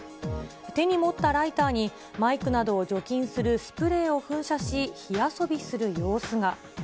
手に持ったライターに、マイクなどを除菌するスプレーを噴射し、火遊びする様子が。